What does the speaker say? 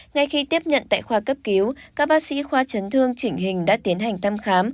ngay khi tiếp nhận tại khoa cấp cứu các bác sĩ khoa chấn thương chỉnh hình đã tiến hành thăm khám